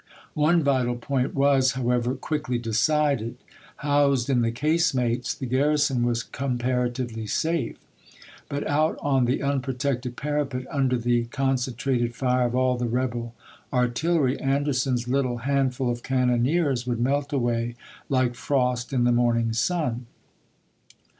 One vital point was, however, quickly decided. Housed in the case mates, the garrison was comparatively safe; but out on the unprotected parapet, under the concen trated fire of all the rebel artillery, Anderson's lit tle handful of cannoneers would melt away like frost in the morning sun.